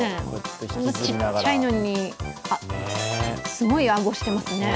ちっちゃいのにすごいあごしてますね。